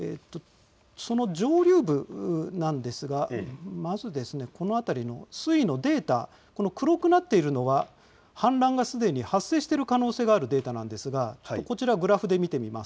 その上流部なんですがまずこの辺りの水位のデータ黒くなっているのは氾濫がすでに発生している可能性があるデータなんですがこちらをグラフで見てみます。